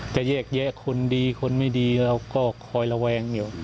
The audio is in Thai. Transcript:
จะแยกแยะคนดีคนไม่ดีเราก็คอยระแวงอยู่